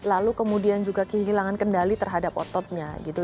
lalu kemudian juga kehilangan kendali terhadap ototnya gitu